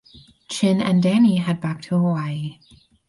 Chin and Danny head back to Hawaii.